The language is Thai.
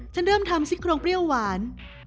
ฉันเริ่มทำซิโครงเปรี้ยวหวาน